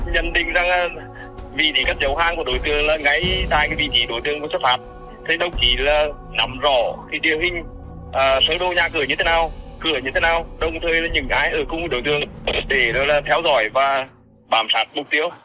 đồng thời những cái ở cùng đối tượng để theo dõi và bám sát mục tiêu